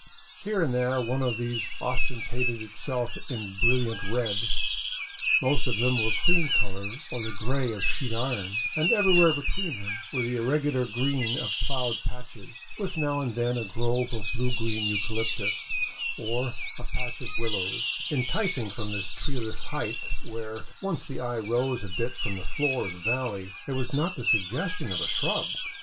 Here and there one of these ostentated itself in brilliant red; most of them were cream color or the gray of sheet iron; and everywhere between them were the irregular green of plowed patches, with now and then a grove of blue green eucalyptus, or a patch of willows, enticing from this treeless height where, once the eye rose a bit from the floor of the valley, there was not the suggestion of a shrub.